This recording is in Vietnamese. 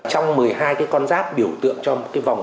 trong một mươi hai cái con giáp biểu tượng trong cái vòng